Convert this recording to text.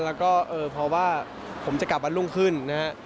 แล้วก็เออเพราะว่าผมจะกลับวันรุ่งขึ้นนะฮะ